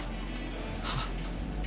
はっ？